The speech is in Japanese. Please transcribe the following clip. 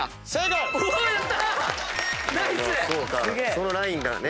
そのラインだね。